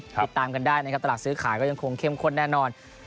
ติดตามกันได้นะครับตลาดซื้อขายก็ยังคงเข้มข้นแน่นอน